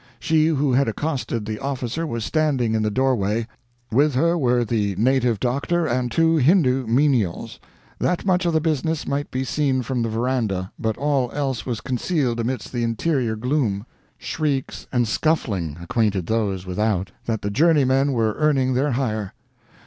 She who had accosted the officer was standing in the doorway. With her were the native doctor and two Hindoo menials. That much of the business might be seen from the veranda, but all else was concealed amidst the interior gloom. Shrieks and scuffling acquainted those without that the journeymen were earning their hire.